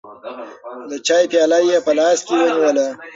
د چای پیاله یې په لاس کې ونیوله.